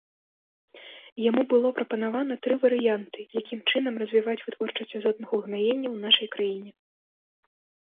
Яму было прапанавана тры варыянты, якім чынам развіваць вытворчасць азотных угнаенняў у нашай краіне.